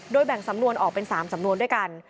แบ่งสำนวนออกเป็น๓สำนวนด้วยกัน